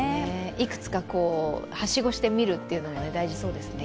いくつかはしごしてみるっていうのも大事そうですね。